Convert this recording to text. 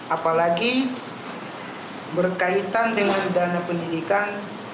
apalagi berkaitan dengan dana pendidikan